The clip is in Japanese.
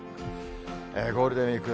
ゴールデンウィーク